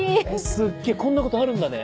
すっげぇ。こんなことあるんだね。